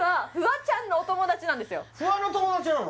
実はフワの友達なの？